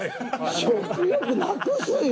食欲なくすよ！